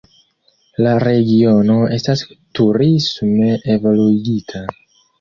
La regiono estas turisme evoluigita.